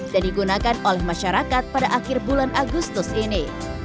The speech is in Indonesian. dan digunakan oleh masyarakat pada akhir bulan agustus ini